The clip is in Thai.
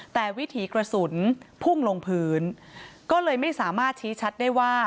แต่วิถีกระสุนพุ่งลงพื้นก็เลยไม่สามารถชี้ชัดได้ว่า